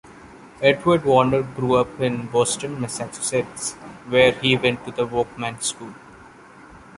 Edward Warner grew up in Boston, Massachusetts, where he went to the Volkmann School.